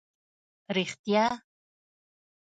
رښتیا.